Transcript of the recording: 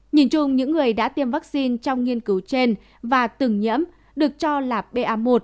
nhìn chung những người đã tiêm vaccine trong nghiên cứu trên và từng nhiễm được cho là pa một